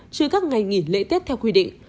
chứ các ngày nghỉ lễ tết theo quy định